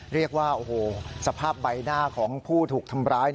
เรียกว่าสภาพใบหน้าของผู้ถูกทำร้าย